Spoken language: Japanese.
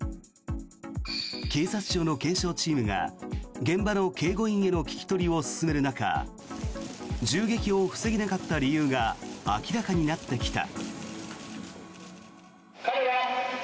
警察庁の検証チームが現場の警護員への聞き取りを進める中銃撃を防げなかった理由が明らかになってきた。